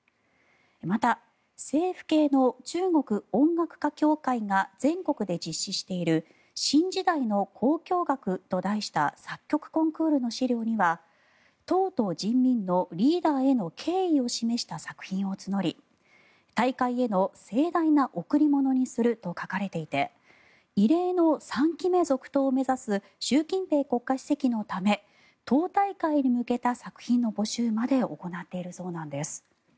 また、政府系の中国音楽家協会が全国で実施している新時代の交響楽と題した作曲コンクールの資料には党と人民のリーダーへの敬意を示した作品を募り大会への盛大な贈り物にすると書かれていて異例の３期目続投を目指す習近平国家主席のため党大会に向けた作品の募集まで行っているそうなんです。